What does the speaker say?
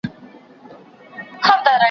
چي به پورته څوك پر تخت د سلطنت سو